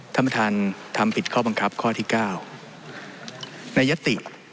ท่านประธานทำผิดข้อบังคับข้อที่๙ในยติ